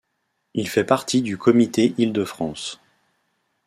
Il fait partie du Comité Île-de-France.